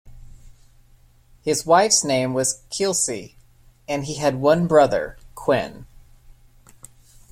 His wife's name was Kylsea, and he had one brother, Quinn.